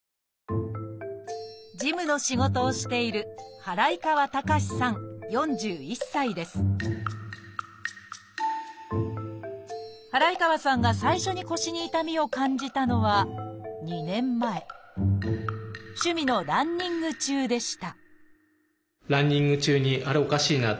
事務の仕事をしている祓川さんが最初に腰に痛みを感じたのは趣味のランニング中でした